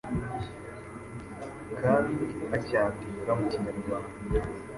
kandi acyandika mu kinyarwanda.